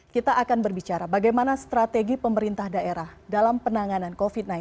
kita akan berbicara bagaimana strategi pemerintah daerah dalam penanganan covid sembilan belas